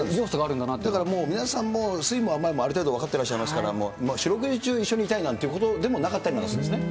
だから皆さんも、酸いも甘いもある程度分かってらっしゃいますから、四六時中、一緒にいたいなんということでもなかったりなんかするんですね。